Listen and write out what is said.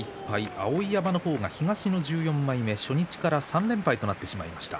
碧山は東の１４枚目初日から３連敗となってしまいました。